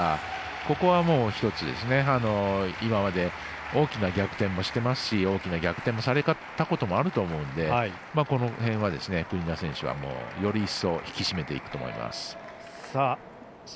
ここは、１つ今まで大きな逆転をしていますし大きな逆転もされたことがあると思うのでこの辺は国枝選手は、より一層引き締めていくと思います。